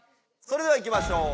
それではいきましょう！